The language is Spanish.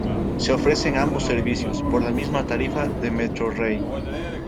Se ofrecen ambos servicios por la misma tarifa de Metrorrey.